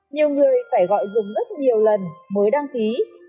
nhiều người phải gọi dùng rất nhiều lần mới đăng ký